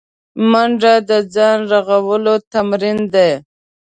منډه د ځان رغولو تمرین دی